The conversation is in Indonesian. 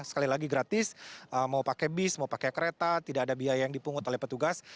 sekali lagi gratis mau pakai bis mau pakai kereta tidak ada biaya yang dipungut oleh petugas